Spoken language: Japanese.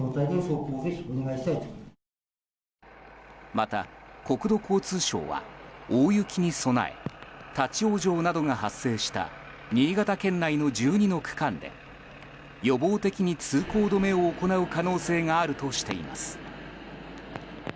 また、国土交通省は大雪に備え立ち往生などが発生した新潟県内の１２の区間で予防的に通行止めを行う可能性があるとしています。